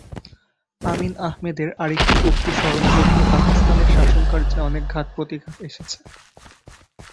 আমিন আহমেদের আরেকটি উক্তি স্মরণযোগ্য পাকিস্তানের শাসনকার্যে অনেক ঘাত প্রতিঘাত এসেছে।